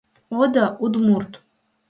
Одо — удмурт.